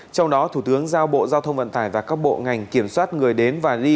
trong đó thủ tướng giao bộ giao thông vận tải và các bộ ngành kiểm soát người đến và đi